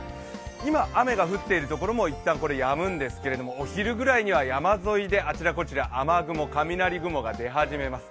今、雨が降っているところも一旦やむんですけど、お昼ぐらいには山沿いであちらこちらで雨雲、雷雲が出始めます。